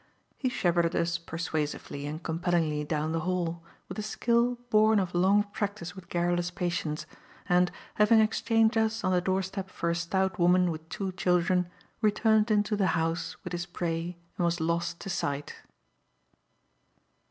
He shepherded us persuasively and compellingly down the hall, with a skill born of long practice with garrulous patients, and, having exchanged us on the doorstep for a stout woman with two children, returned into the house with his prey and was lost to sight.